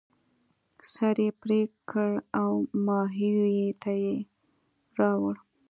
سر یې پرې کړ او ماهویه ته یې راوړ.